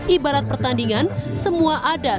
ibarat pertandingan semua ada